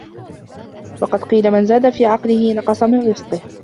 وَقَدْ قِيلَ مَنْ زَادَ فِي عَقْلِهِ نَقَصَ مِنْ رِزْقِهِ